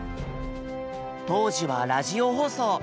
当時はラジオ放送。